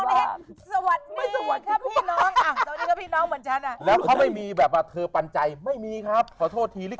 พิธีกรแบบเปิดวงนี้ไม่มีหรือ